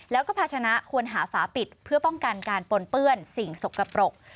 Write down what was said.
แล้วก็ภาชนะควรหาฝาปิดเพื่อป้องกันการปนเปื้อนสิ่งสกปรก